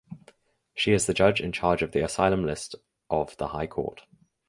She is the judge in charge of the Asylum List of the High Court.